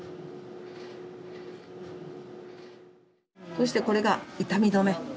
そしてこれが痛み止め。